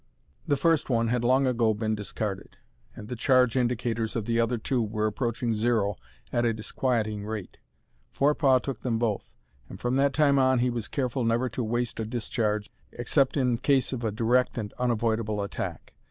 The first one had long ago been discarded, and the charge indicators of the other two were approaching zero at a disquieting rate. Forepaugh took them both, and from that time on he was careful never to waste a discharge except in case of a direct and unavoidable attack.